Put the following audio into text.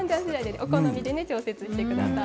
お好みで調節してください。